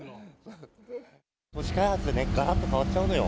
都市開発でがらっと変わっちゃうのよ。